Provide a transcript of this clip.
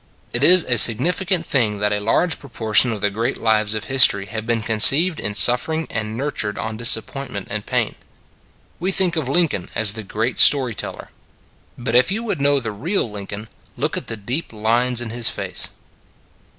It is a significant thing that a large pro portion of the great lives of history have been conceived in suffering and nurtured on disappointment and pain. We think of Lincoln as the great story teller. But if you would know the real Lincoln, look at the deep lines in his face.